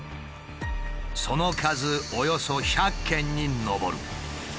その数およそ１００件に上る。